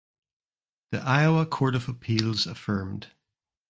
The Iowa Court of Appeals affirmed.